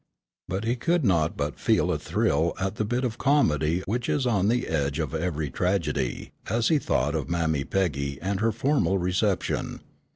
But he could not but feel a thrill at the bit of comedy which is on the edge of every tragedy, as he thought of Mammy Peggy and her formal reception.